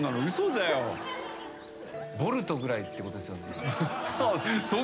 ボルトくらいってことですね。